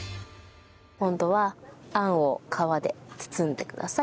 今度はあんを皮で包んでください。